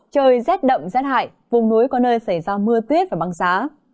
trời rét đậm rét hại vùng núi có nơi xảy ra mưa tuyết và băng giá